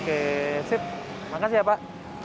oke sip makasih ya pak